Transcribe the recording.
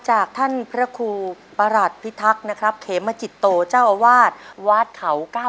จากท่านพระครูประหลัดพิทักษ์นะครับเขมจิตโตเจ้าอาวาสวัดเขาเก้า